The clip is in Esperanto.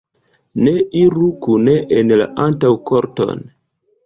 Ni iru kune en la antaŭkorton.